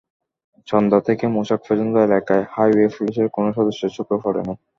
চন্দ্রা থেকে মৌচাক পর্যন্ত এলাকায় হাইওয়ে পুলিশের কোনো সদস্য চোখে পড়েনি।